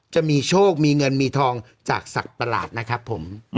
จะมีโชคมีเงินมีทองจากสัตว์ประหลาดนะครับผม